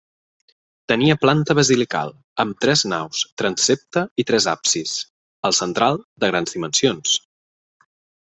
Tenia planta basilical, amb tres naus, transsepte i tres absis, el central de grans dimensions.